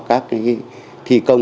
các cái thi công